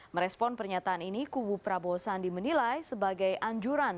merespon pernyataan ini kubu prabowo sandi menilai sebagai anjuran